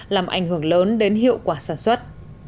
làm ảnh hưởng lớn đến hiệu quả sản xuất